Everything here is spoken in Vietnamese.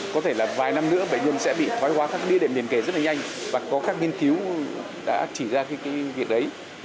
có thể là vài năm nữa bệnh nhân sẽ bị thoái hóa các bi đệm liền kề rất là nhanh và có các nghiên cứu đã chỉ ra cái việc đấy